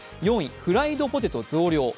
４位フライドポテト増量。